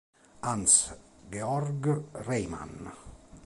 Hans-Georg Reimann